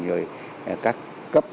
rồi các cấp